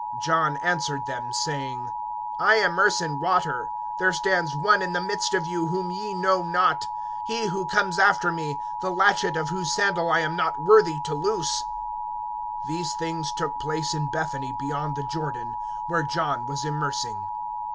(26)John answered them, saying: I immerse in water. There stands one in the midst of you, whom ye know not; (27)he who comes after me, the latchet of whose sandal I am not worthy to loose. (28)These things took place in Bethany beyond the Jordan, where John was immersing.